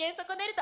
と